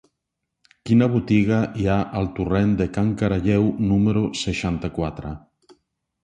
Quina botiga hi ha al torrent de Can Caralleu número seixanta-quatre?